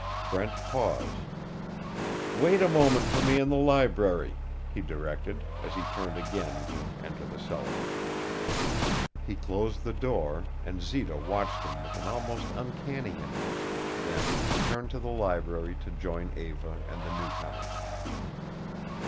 Brent paused. "Wait a moment for me in the library," he directed, as he turned again to enter the cellar. He closed the door and Zita watched him with an almost uncanny interest, then turned to the library to join Eva and the new comer.